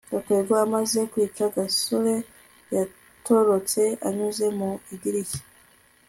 gakwego amaze kwica gasore, yaratorotse anyuze mu idirishya